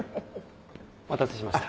お待たせしました。